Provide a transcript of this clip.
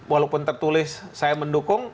walaupun tertulis saya mendukung